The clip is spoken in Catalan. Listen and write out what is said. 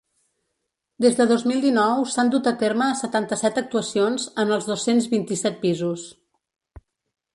Des de dos mil dinou s’han dut a terme setanta-set actuacions en els dos-cents vint-i-set pisos.